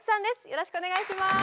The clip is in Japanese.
よろしくお願いします。